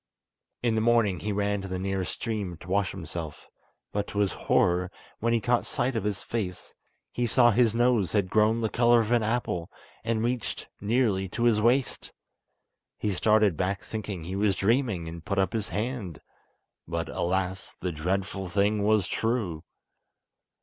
In the morning he ran to the nearest stream to wash himself, but to his horror, when he caught sight of his face, he saw his nose had grown the colour of an apple, and reached nearly to his waist. He started back thinking he was dreaming, and put up his hand; but, alas! the dreadful thing was true.